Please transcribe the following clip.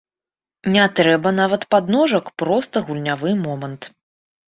Не трэба нават падножак, проста гульнявы момант.